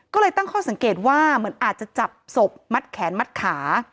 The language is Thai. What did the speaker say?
ก็เลยตั้งข้อสังเกตว่าเหมือนอาจจะจับศพมัดแขนมัดขา